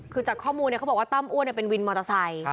คือจากข้อมูลเขาบอกว่าตั้มอ้วนเป็นวินมอเตอร์ไซค์